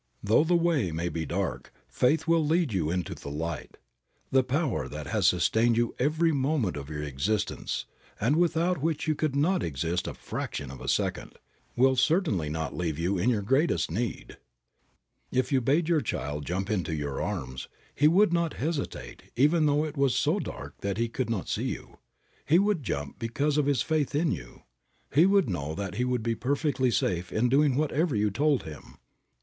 Though the way may be dark faith will lead you into the light. The Power that has sustained you every moment of your existence, and without which you could not exist a fraction of a second, will certainly not leave you in your greatest need. If you bade your child jump into your arms, he would not hesitate even though it was so dark that he could not see you. He would jump because of his faith in you. He would know that he would be perfectly safe in doing whatever you told him.